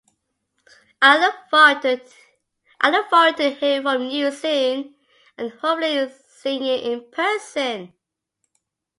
I look forward to hearing from you soon and hopefully seeing you in person!